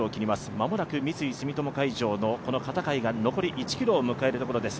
間もなく、三井住友海上のこの片貝が残り１ｋｍを迎えるところです。